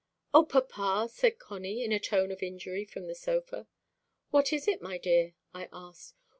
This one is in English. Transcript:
"O, papa!" said Connie, in a tone of injury, from the sofa. "What is it, my dear?" I asked.